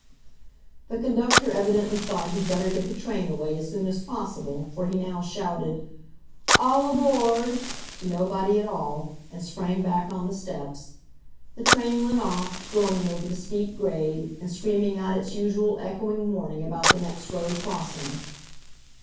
The conductor evidently thought he'd better get the train away as soon as possible, for he now shouted, "All aboard!" to nobody at all, and sprang back on the steps. The train went off, groaning over the steep grade, and screaming out its usual echoing warning about the next road crossing.